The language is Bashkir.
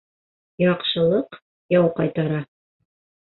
Яҡшылыҡ яу ҡайтара.